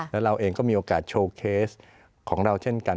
แล้วเราเองก็มีโอกาสโชว์เคสของเราเช่นกัน